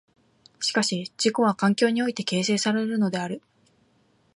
しかし自己は環境において形成されるのである。